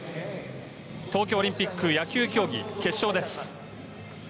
東京オリンピック野球競技、決勝です。